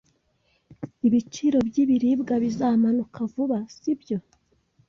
Ibiciro byibiribwa bizamanuka vuba, sibyo?